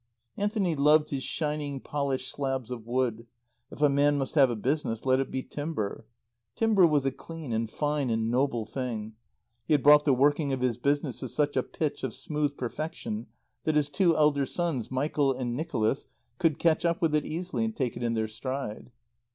Anthony loved his shining, polished slabs of wood. If a man must have a business, let it be timber. Timber was a clean and fine and noble thing. He had brought the working of his business to such a pitch of smooth perfection that his two elder sons, Michael and Nicholas, could catch up with it easily and take it in their stride.